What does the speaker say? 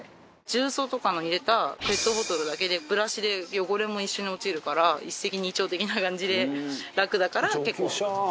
重曹とかを入れたペットボトルだけでブラシで汚れも一緒に落ちるから一石二鳥的な感じで楽だから結構使います。